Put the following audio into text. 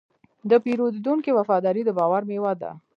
د پیرودونکي وفاداري د باور میوه ده.